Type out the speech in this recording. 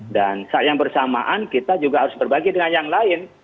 dan sayang bersamaan kita juga harus berbagi dengan yang lain